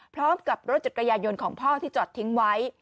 พร้อมกับรถจักรยายนต์ของพ่อที่จอดทิ้งไว้